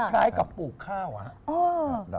คล้ายกับปลูกข้าวอะครับ